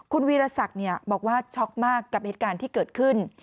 คุณวีรศักดิ์บอกว่าช็อกมากกับเหตุการณ์ที่เกิดขึ้น